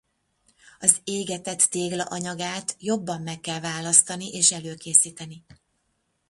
Az égetett tégla anyagát jobban meg kell választani és előkészíteni.